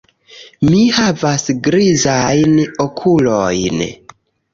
Mi havas grizajn okulojn.